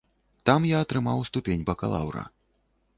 Там я атрымаў ступень бакалаўра.